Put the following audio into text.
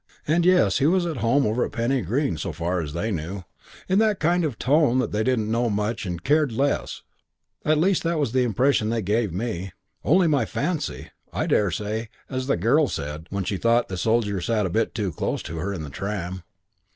And, yes, he was at home over at Penny Green, so far as they knew, in the kind of tone that they didn't know much and cared less: at least, that was the impression they gave me; only my fancy, I daresay, as the girl said when she thought the soldier sat a bit too close to her in the tram.